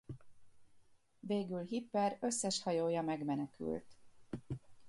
Végül Hipper összes hajója megmenekült.